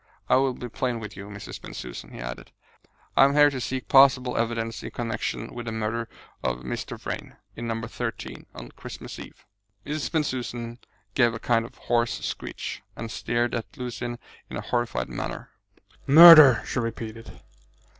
I will be plain with you, Mrs. Bensusan," he added, "I am here to seek possible evidence in connection with the murder of Mr. Vrain, in No. 13, on Christmas Eve." Mrs. Bensusan gave a kind of hoarse screech, and stared at Lucian in a horrified manner. "Murder!" she repeated.